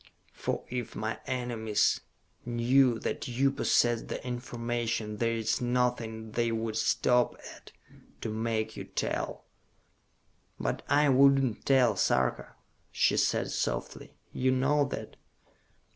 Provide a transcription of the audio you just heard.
"For if my enemies knew that you possessed the information, there is nothing they would stop at to make you tell." "But I would not tell, Sarka," she said softly. "You know that!"